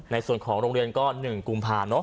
ในส่วนของโรงเรียนก็๑กุมภาเนอะ